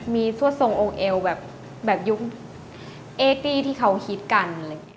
มีทรงอกเอวแบบยุค๘๐ที่เขาฮิตกัน